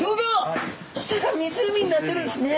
下が湖になっているんですね。